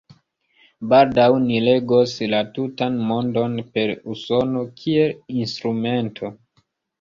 Baldaŭ ni regos la tutan Mondon per Usono kiel instrumento.